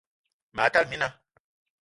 Ma tala mina